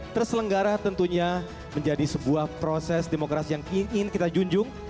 terselenggara tentunya menjadi sebuah proses demokrasi yang ingin kita junjung